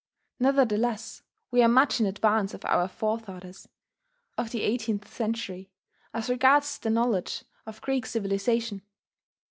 Nevertheless we are much in advance of our forefathers of the eighteenth century, as regards the knowledge of Greek civilization.